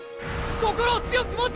心を強く持って！